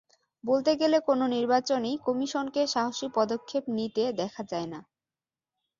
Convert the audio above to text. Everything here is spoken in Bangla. বলতে গেলে কোনো নির্বাচনেই কমিশনকে সাহসী পদক্ষেপ নিতে দেখা যায় না।